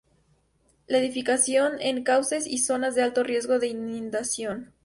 la edificación en cauces y zonas de alto riesgo de inundación